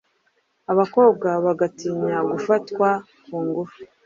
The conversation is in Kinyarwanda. Abakobwa bagatinya gufatwa kungufu